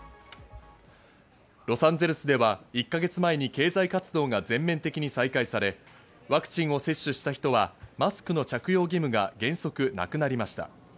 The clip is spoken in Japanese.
ロサンゼルスでは１か月前に経済活動が全面的に再開され、ワクチンを接種した人はマスクの着用義務が原則なくなりました。